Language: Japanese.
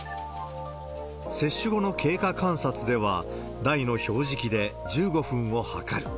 接種後の経過観察では、台の表示器で１５分を測る。